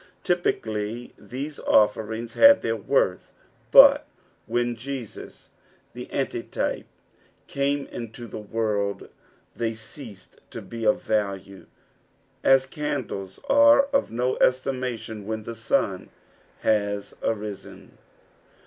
Typically these offerings had their worth, but when Jesus, the Antitype, came into the world, they ceased to be of value, as candles are of no estimation when the sun baa arisen.